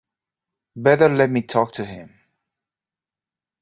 Better let me talk to him.